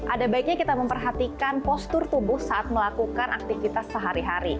ada baiknya kita memperhatikan postur tubuh saat melakukan aktivitas sehari hari